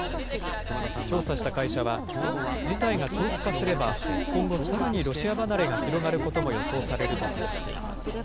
調査した会社は、事態が長期化すれば、今後、さらにロシア離れが広がることも予想されると話しています。